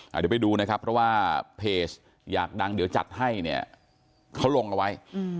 เดี๋ยวไปดูนะครับเพราะว่าเพจอยากดังเดี๋ยวจัดให้เนี่ยเขาลงเอาไว้